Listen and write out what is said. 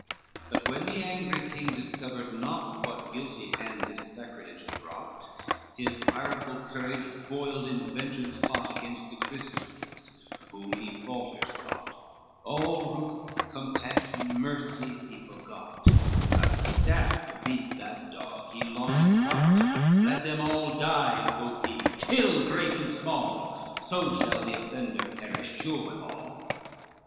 XI But when the angry king discovered not What guilty hand this sacrilege had wrought, His ireful courage boiled in vengeance hot Against the Christians, whom he faulters thought; All ruth, compassion, mercy he forgot, A staff to beat that dog he long had sought, "Let them all die," quoth he, "kill great and small, So shall the offender perish sure withal.